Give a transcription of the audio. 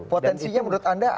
potensinya menurut anda